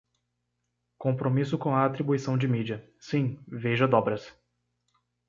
Compromisso com a atribuição de mídia: sim, veja dobras.